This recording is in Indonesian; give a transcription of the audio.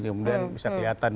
kemudian bisa kelihatan